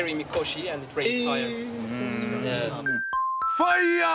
ファイヤー！